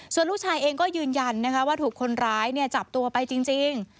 ส่วนลูกชายเองก็ยืนยันนะคะว่าถูกคนร้ายจับตัวไปจริง